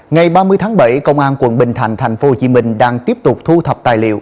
ngày ba mươi tháng bảy công an quận bình thạnh tp hcm đang tiếp tục thu thập tài liệu